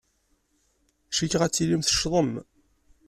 Cikkeɣ ad tilim teccḍem.